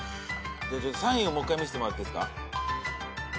３位をもう一回見せてもらっていいっすか？